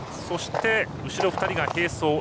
そして、後ろ２人が併走。